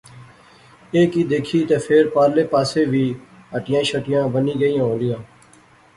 ایہہ کی دیکھی تہ فیر پارلے پاسے وی ہٹیاں شٹیاں بنی گئیاں ہولیاں